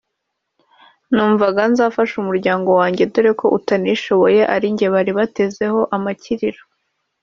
numvaga nzafasha umuryango wanjye dore ko utanishoboye ari njye bari batezeho amakiriro